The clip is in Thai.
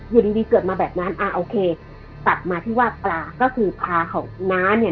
อยู่ดีดีเกิดมาแบบนั้นอ่าโอเคตัดมาที่ว่าปลาก็คือปลาของน้าเนี่ย